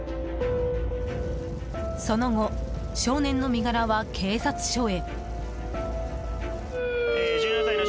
その後、少年の身柄は警察署へ。